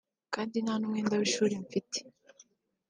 kandi nta n’umwenda w’ishuri mfite